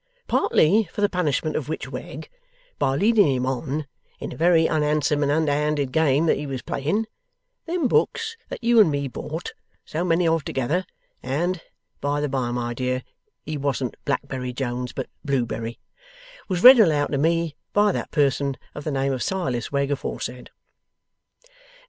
Partly for the punishment of which Wegg, by leading him on in a very unhandsome and underhanded game that he was playing, them books that you and me bought so many of together (and, by the by, my dear, he wasn't Blackberry Jones, but Blewberry) was read aloud to me by that person of the name of Silas Wegg aforesaid.